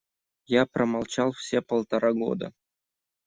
Я промолчал все полтора года.